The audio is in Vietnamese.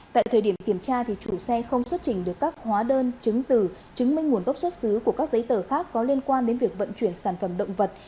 tại thời điểm kiểm tra chủ xe không xuất trình được các hóa đơn chứng từ chứng minh nguồn gốc xuất xứ của các giấy tờ khác có liên quan đến việc vận chuyển sản phẩm động vật